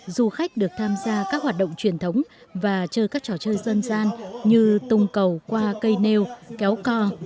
du khách được tham gia các hoạt động truyền thống và chơi các trò chơi dân gian như tung cầu qua cây nêu kéo co